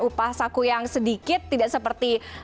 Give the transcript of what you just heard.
upah saku yang sedikit tidak seperti